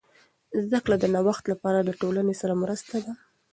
زده کړه د نوښت لپاره د ټولنې سره مرسته ده.